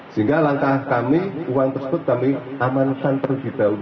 sehingga langkah kami uang tersebut kami amankan tergidau